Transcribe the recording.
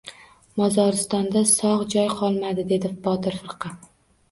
— Mozoristonda sog‘ joy qolmadi, — dedi Botir firqa.